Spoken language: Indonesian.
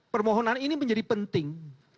permohonan ini menjadi penting